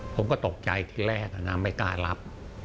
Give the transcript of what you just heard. ผมก็ตกใจทีแรกนะไม่กล้ารับ